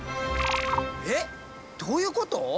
えっどういうこと？